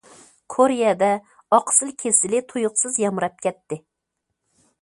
كورېيەدە ئاقسىل كېسىلى تۇيۇقسىز يامراپ كەتتى.